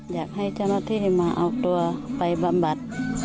อยากให้เจ้าหน้าที่มาเอาตัวไปบำบัด